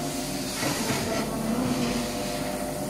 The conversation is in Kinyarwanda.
ngataramana n'inkumi